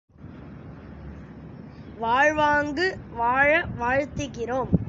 வாழ்வாங்கு வாழ வாழ்த்துகிறோம்.